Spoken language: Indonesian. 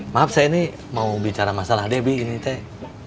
maaf saya ini mau bicara masalah debbie gini teh